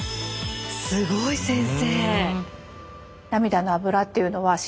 すごい先生！